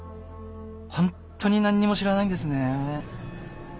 本当に何にも知らないんですねえ。